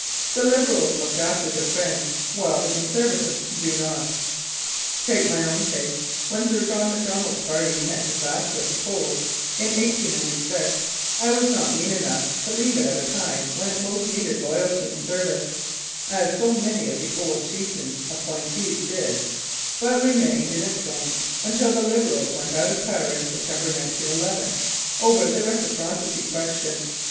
The Liberals look after their friends, while the Conservatives do not. Take my own case. When Sir John Macdonald's party met disaster at the polls in 1896, I was not mean enough to leave it at a time when it most needed loyalty and service, as so many of the old chieftain's appointees did, but remained in its ranks until the Liberals went out of power in September, 1911, over the reciprocity question.